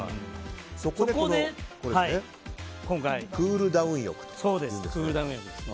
そこで、今回はクールダウン浴と。